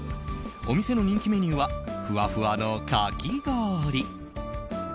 お店の人気メニューはふわふわのかき氷。